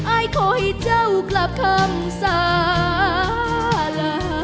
อายขอให้เจ้ากลับคำสาลา